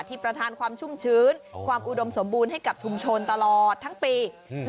ประธานความชุ่มชื้นความอุดมสมบูรณ์ให้กับชุมชนตลอดทั้งปี